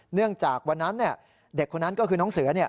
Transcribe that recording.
เนื่องจากวันนั้นเด็กคนนั้นก็คือน้องเสือ